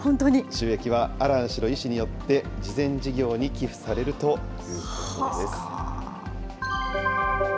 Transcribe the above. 収益はアラン氏の遺志によって、慈善事業に寄付されるということです。